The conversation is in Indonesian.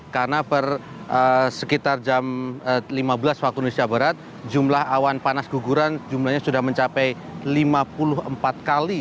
karena sekitar jam lima belas waktu indonesia barat jumlah awan panas guguran jumlahnya sudah mencapai lima puluh empat kali